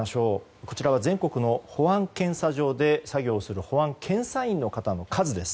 こちらは全国の保安検査場で作業をする保安検査員の方の数です。